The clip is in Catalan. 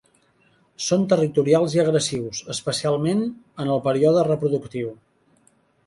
Són territorials i agressius, especialment en el període reproductiu.